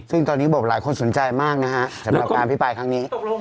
ซึ่งตอนนี้หลายคนสนใจมากนะฮะสำหรับการพิปรายครั้งนี้